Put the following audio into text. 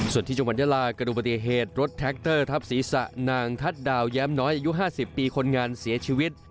ส่วนที่จังหวัดยาลากระดูกปฏิเหตุรถแท็กเตอร์ทับศีรษะนางทัศน์ดาวแย้มน้อยอายุ๕๐ปีคนงานเสียชีวิต